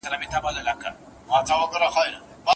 که د هېواد یادونه وسي نو مینه ډېرېږي.